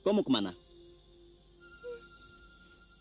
di gua sangreng dimakan makhluk berkepala iblis